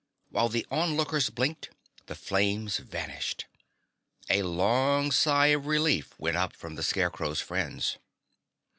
While the onlookers blinked, the flames vanished. A long sigh of relief went up from the Scarecrow's friends.